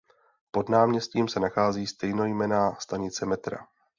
Pod náměstím se nachází stejnojmenná stanice metra.